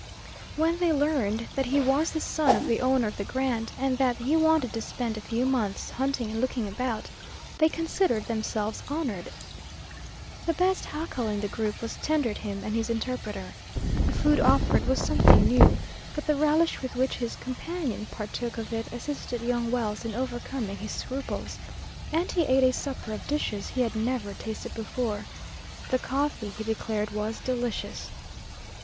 When they learned that he was the son of the owner of the grant, and that he wanted to spend a few months hunting and looking about, they considered themselves honored. The best jacal in the group was tendered him and his interpreter. The food offered was something new, but the relish with which his companion partook of it assisted young Wells in overcoming his scruples, and he ate a supper of dishes he had never tasted before. The coffee he declared was delicious.